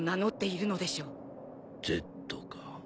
Ｚか。